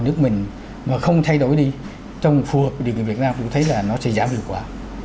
nước mình mà không thay đổi đi trong phù hợp điều kiện việt nam cũng thấy là nó sẽ giảm hiệu quả